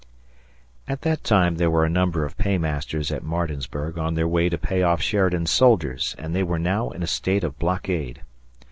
At that time there were a number of paymasters at Martinsburg on their way to pay off Sheridan's soldiers, and they were now in a state of blockade.